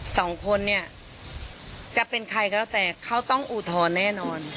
สองคนเนี่ยจะเป็นใครก็แล้วแต่เขาต้องอุทธรณ์แน่นอน